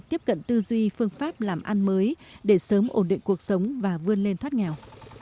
tiếp cận tư duy phương pháp làm ăn mới để sớm ổn định cuộc sống và vươn lên thoát nghèo